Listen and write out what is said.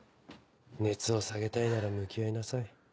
熱を下げたいなら向き合いなさい。